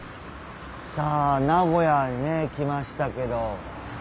さあ名古屋にね来ましたけど。